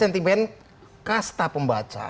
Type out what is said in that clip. sentimen kasta pembaca